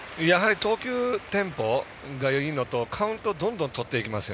投球テンポがいいのとカウントをどんどんとってきます